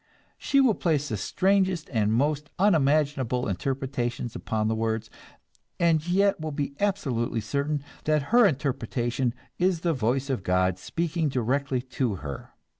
She will place the strangest and most unimaginable interpretations upon the words, and yet will be absolutely certain that her interpretation is the voice of God speaking directly to her.